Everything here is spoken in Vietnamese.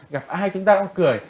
gặp ai chúng ta cũng cười